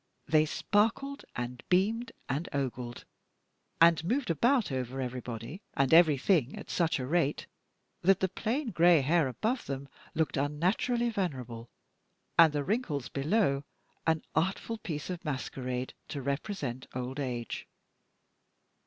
They sparkled, and beamed, and ogled, and moved about over everybody and everything at such a rate, that the plain gray hair above them looked unnaturally venerable, and the wrinkles below an artful piece of masquerade to represent old age.